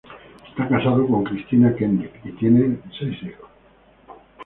Está casado con Christina Kendrick, y tienen seis hijos.